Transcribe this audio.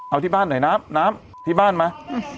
เอาที่บ้านหน่อยน้ำน้ำที่บ้านมา